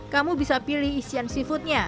kamu bisa pilih isian seafoodnya